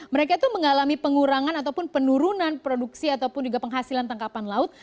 mereka itu mengalami pengurangan ataupun penurunan produksi ataupun juga penghasilan tangkapan laut